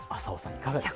いかがです？